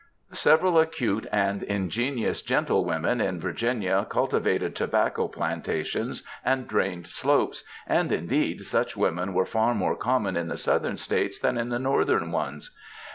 Several " acute and ingenious gentlewomen ^^ in Virginia cultivated tobacco plantations and drained slopes, and indeed such women were far more common in the Southern States than in the Northern ones.